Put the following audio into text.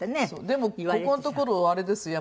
でもここのところあれですよ